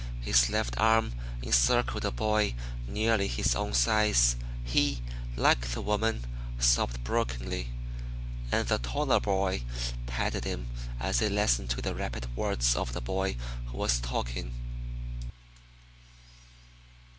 His left arm encircled a boy nearly his own size. He, like the woman, sobbed brokenly, and the taller boy patted him as he listened to the rapid words of the boy who was talking.